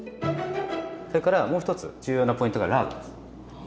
それからもう一つ重要なポイントがラードです。